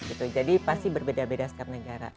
itu jadi pasti berbeda beda setiap negara